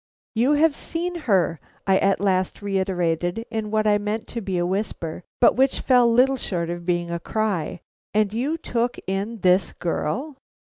"You have seen her!" I at last reiterated in what I meant to be a whisper, but which fell little short of being a cry, "and you took in this girl?"